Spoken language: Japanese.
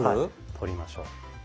取りましょう。